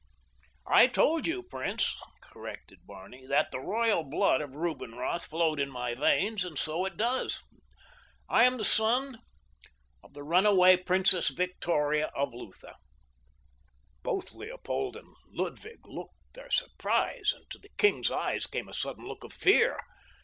"I told you, prince," corrected Barney, "that the royal blood of Rubinroth flowed in my veins, and so it does. I am the son of the runaway Princess Victoria of Lutha." Both Leopold and Ludwig looked their surprise, and to the king's eyes came a sudden look of fear.